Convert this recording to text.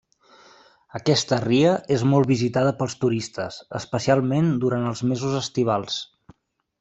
Aquesta ria és molt visitada pels turistes, especialment durant els mesos estivals.